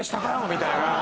みたいな。